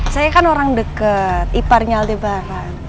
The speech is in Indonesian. saya kan orang deket iparnya aldebaran